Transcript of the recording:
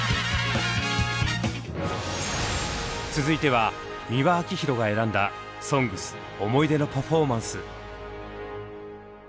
続いては美輪明宏が選んだ「ＳＯＮＧＳ」思い出のパフォーマンス。